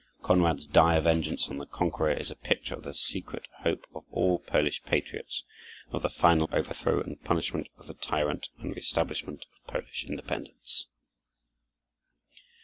Konrad's dire vengeance on the conqueror is a picture of the secret hope of all Polish patriots of the final overthrow and punishment of the tyrant and the reëstablishment of Polish independence.